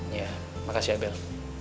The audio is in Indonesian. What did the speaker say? iya makasih ya bel